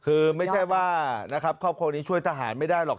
คือไม่ใช่ว่านะครับครอบครัวนี้ช่วยทหารไม่ได้หรอก